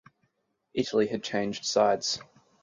Italy had changed sides.